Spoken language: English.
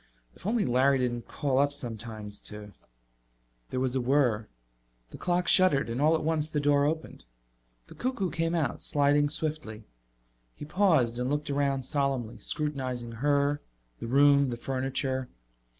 If only Larry didn't call up sometimes to There was a whirr. The clock shuddered and all at once the door opened. The cuckoo came out, sliding swiftly. He paused and looked around solemnly, scrutinizing her, the room, the furniture.